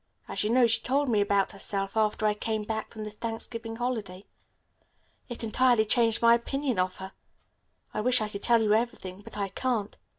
As you know, she told me about herself after I came back from the Thanksgiving holiday. It entirely changed my opinion of her. I wish I could tell you everything, but I can't.